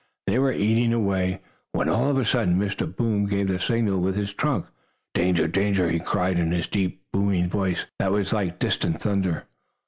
They were eating away, when, all of a sudden, Mr. Boom gave the signal with his trunk. "Danger! Danger!" he cried, in his deep, booming voice, that was like distant thunder.